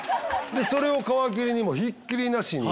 それを皮切りにもうひっきりなしに。